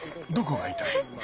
どこがいたい？